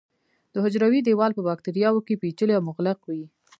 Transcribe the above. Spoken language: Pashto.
د حجروي دیوال په باکتریاوو کې پېچلی او مغلق وي.